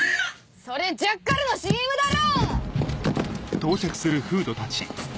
それジャッカルのＣＭだろ！